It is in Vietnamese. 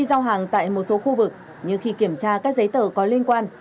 trong một số khu vực như khi kiểm tra các giấy tờ có liên quan